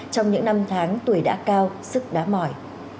trong những năm tháng tuổi đã cao sức đá mỏi